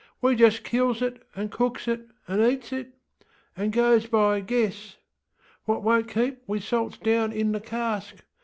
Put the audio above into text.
We just kills it, and cooks it, and eats itŌĆöand goes by guess. What wonŌĆÖt keep we salts down in the cask.